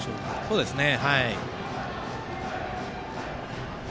そうですね。